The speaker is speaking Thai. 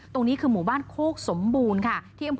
ตรงนี้คือหมู่บ้านโคกสมบูรณ์ค่ะ